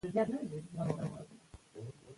که ماشومان مصروف نه وي، وخت ورو تېریږي.